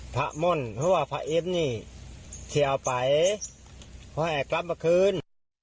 พระม่วนเพราะว่าพระอิทธิ์นี่ที่เอาไปเค้าให้กลับเมื่อคืน